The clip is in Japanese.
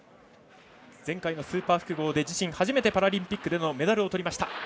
前回のスーパー複合で自身初めてのパラリンピックでのメダルをとりました。